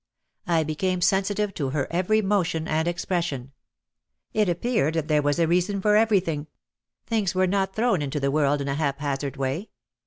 I became sensitive to her every motion and expression. It appeared that there was a reason for everything. Things were not thrown into the world in a haphazard way.